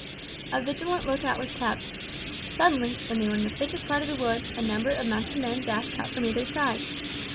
A vigilant lookout was kept. Suddenly, when they were in the thickest part of the wood, a number of mounted men dashed out from either side.